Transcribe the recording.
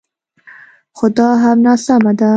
خو دا هم ناسمه ده